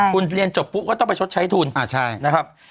คุณเรียนจบปุ๊บก็ต้องไปชดใช้ทุนนะครับ